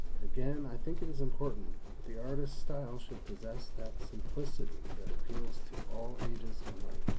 Again, I think it is important that the artist's style should possess that simplicity that appeals to all ages alike.